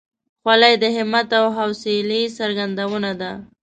خولۍ د همت او حوصلې څرګندونه ده.